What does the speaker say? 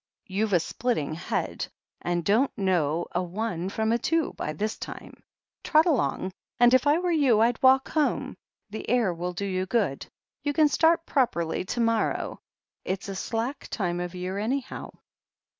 "You've a splitting head, and don't know a one from a two by this time. Trot along, and if I were you, I'd walk home. The air will do you good. You can start properly to morrow. It's a slack time of year, anyhow."